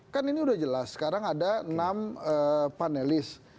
kan ini udah jelas sekarang ada enam panelis